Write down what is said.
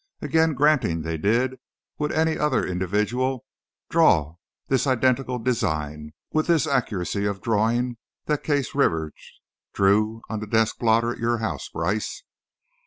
Again, granting they did, would any other individual draw this identical design, with this accuracy of drawing, that Case Rivers drew on the desk blotter at your house, Brice?"